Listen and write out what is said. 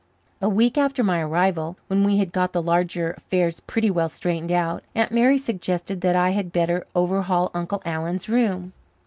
A week after my arrival, when we had got the larger affairs pretty well straightened out, Aunt Mary suggested that I had better overhaul Uncle Alan's room.